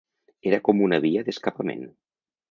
Era com una via d’escapament.